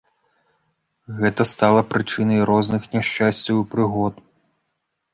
Гэта стала прычынай розных няшчасцяў і прыгод.